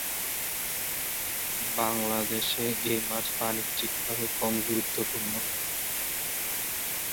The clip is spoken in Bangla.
বাংলাদেশে এ মাছ বাণিজ্যিকভাবে কম গুরুত্বপূর্ণ।